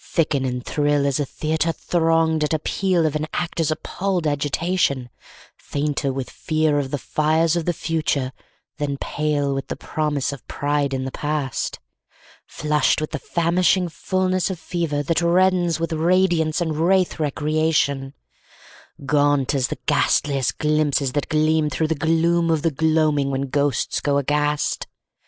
Thicken and thrill as a theatre thronged at appeal of an actor's appalled agitation, Fainter with fear of the fires of the future than pale with the promise of pride in the past; Flushed with the famishing fullness of fever that reddens with radiance and rathe* recreation, [speedy] Gaunt as the ghastliest of glimpses that gleam through the gloom of the gloaming when ghosts go aghast?